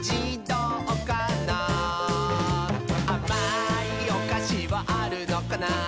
「あまいおかしはあるのかな？」